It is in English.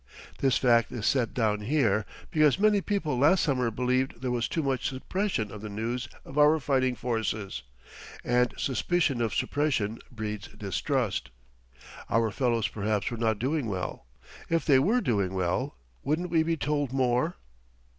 This fact is set down here because many people last summer believed there was too much suppression of the news of our fighting forces; and suspicion of suppression breeds distrust. Our fellows perhaps were not doing well. If they were doing well, wouldn't we be told more?